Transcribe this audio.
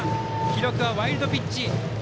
記録はワイルドピッチ。